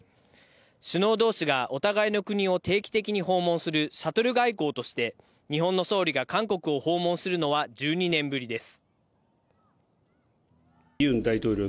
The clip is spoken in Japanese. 首脳同士がお互いの国を定期的に訪問するすシャトル外交として日本の総理が韓国を訪問するのは１２年ぶりです。